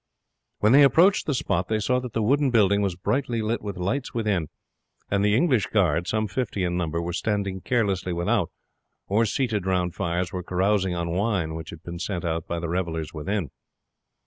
When they approached the spot they saw that the wooden building was brightly lit up with lights within, and the English guard, some fifty in number, were standing carelessly without, or, seated round fires, were carousing on wine which had been sent out by the revellers within.